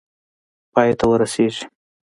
پای ته ورسیږي.